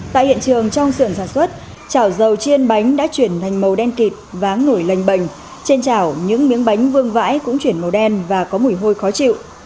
tại hiện trường trong sưởng sản xuất chảo dầu chiên bánh đã chuyển thành màu đen kịp váng nổi lành bềnh trên chảo những miếng bánh vương vãi cũng chuyển màu đen và có mùi hôi khó chịu